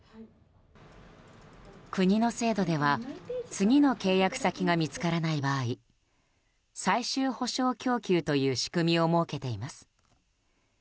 国の制度では次の契約先が見つからない場合最終保障供給という仕組みを設けています。